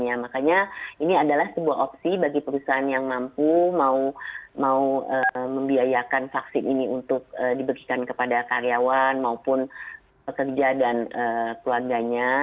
makanya ini adalah sebuah opsi bagi perusahaan yang mampu mau membiayakan vaksin ini untuk diberikan kepada karyawan maupun pekerja dan keluarganya